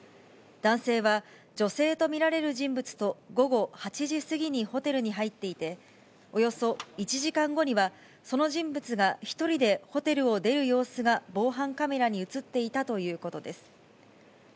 男性は女性と見られる人物と、午後８時過ぎにホテルに入っていて、およそ１時間後には、その人物が１人でホテルを出る様子が、防犯カメラに写っていたということです。